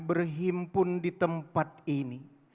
berhimpun di tempat ini